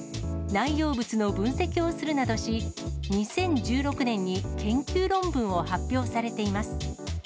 内容物の分析をするなどし、２０１６年に研究論文を発表されています。